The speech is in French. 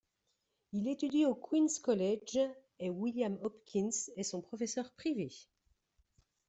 Il étudie au Queens' College et William Hopkins est son professeur privé.